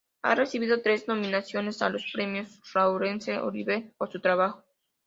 Ha recibido tres nominaciones a los Premio Laurence Olivier por su trabajo.